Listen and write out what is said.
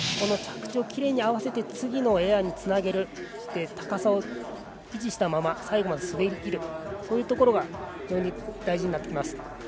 着地をきれいに合わせて次のエアにつなげるそして高さを維持したまま最後まで滑りきるというところが非常に大事になってきます。